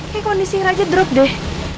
oke kondisi raja drop deh